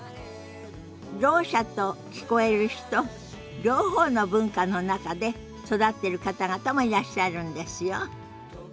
ろう者と聞こえる人両方の文化の中で育ってる方々もいらっしゃるんですよ。